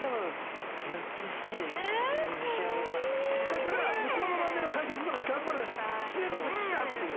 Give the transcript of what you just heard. だから向こうのマンネリを解消するために頑張る試練の時きた！っていう。